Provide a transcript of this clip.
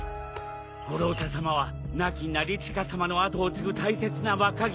五郎太さまは亡き成親さまの跡を継ぐ大切な若君。